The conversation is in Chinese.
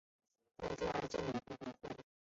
在第二届美国国会。